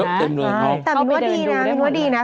แต่ว่ามีน้วดีนะมีน้วดีนะ